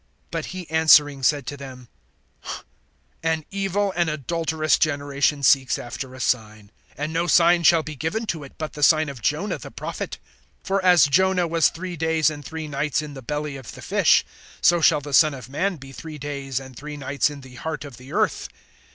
(39)But he answering said to them: An evil and adulterous generation seeks after a sign; and no sign shall be given to it, but the sign of Jonah the prophet. (40)For as Jonah was three days and three nights in the belly of the fish, so shall the Son of man be three days and three nights in the heart of the earth.